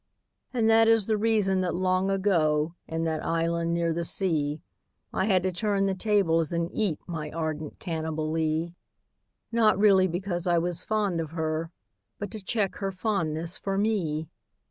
And that is the reason that long ago. In that island near the sea, I had to turn the tables and eat My ardent Cannibalee — Not really because I was fond of her, But to check her fondness for me.